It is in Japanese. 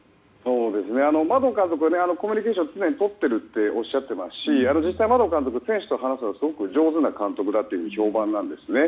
マドン監督はコミュニケーションを常にとっているとおっしゃていますし実際マドン監督選手と話すのが上手な監督だと評判なんですね。